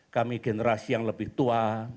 kami generasi yang lebih tua